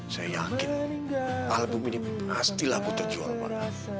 saya yakin album ini pastilah butuh jual pak